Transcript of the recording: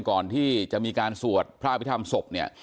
ก่อนที่จะมีการสวดพระอภิษฐรรมศพเนี่ย